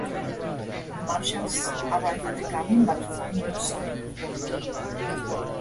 The Marshals arrive at the cabin but find no sign of Boyd.